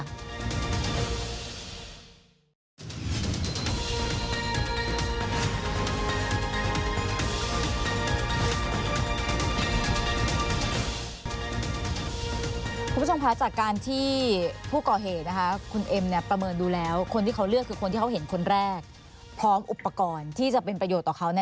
คุณผู้ชมคะจากการที่ผู้ก่อเหตุนะคะคุณเอ็มประเมินดูแล้วคนที่เขาเลือกคือคนที่เขาเห็นคนแรกพร้อมอุปกรณ์ที่จะเป็นประโยชน์ต่อเขา